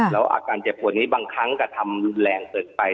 แล้วอาการเจ็บปวดนี้บางครั้งกระทำรุนแรงเกินไป